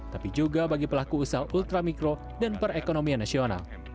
tapi juga bagi pelaku usaha ultramikro dan perekonomian nasional